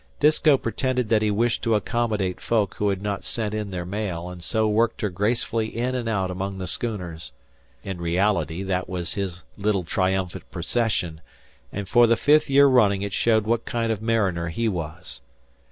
Disko pretended that he wished to accomodate folk who had not sent in their mail, and so worked her gracefully in and out among the schooners. In reality, that was his little triumphant procession, and for the fifth year running it showed what kind of mariner he was.